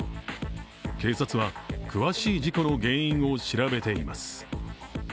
警察は詳しい事故の原因を調べています。